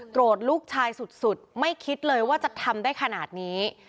ลูกชายสุดไม่คิดเลยว่าจะทำได้ขนาดนี้